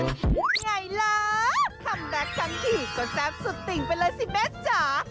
ไงละคำแบบคำถี่ก็แซ่บสุดติ่งไปเลยสิเบสจ๋า